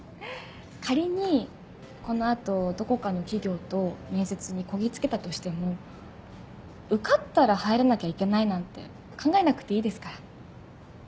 仮にこの後どこかの企業と面接にこぎ着けたとしても受かったら入らなきゃいけないなんて考えなくていいですから。